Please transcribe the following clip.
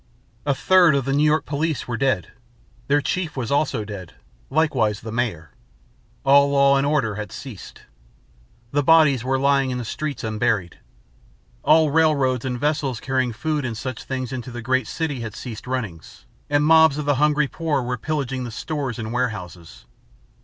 A third of the New York police were dead. Their chief was also dead, likewise the mayor. All law and order had ceased. The bodies were lying in the streets un buried. All railroads and vessels carrying food and such things into the great city had ceased runnings and mobs of the hungry poor were pillaging the stores and warehouses.